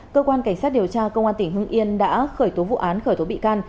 cơ quan cảnh sát điều tra công an tỉnh hưng yên đã khởi tố vụ án khởi tố bị can